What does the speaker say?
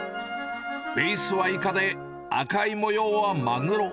ベースはイカで、赤い模様はマグロ。